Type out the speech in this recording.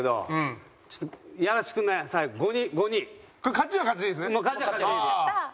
勝ちは勝ちでいいですね？